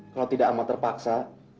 kalau tidak amat terpaksa